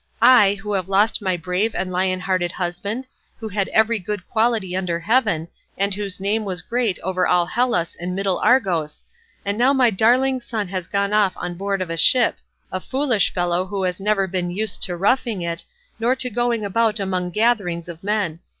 I, who have lost my brave and lion hearted husband, who had every good quality under heaven, and whose name was great over all Hellas and middle Argos; and now my darling son has gone off on board of a ship—a foolish fellow who has never been used to roughing it, nor to going about among gatherings of men.